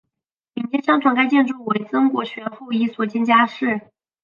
民间相传该建筑为曾国荃后裔所建家祠。